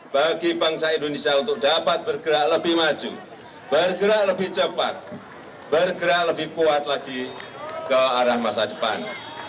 bagi bangsa indonesia untuk dapat bergerak lebih maju bergerak lebih cepat bergerak lebih kuat lagi ke arah masa depan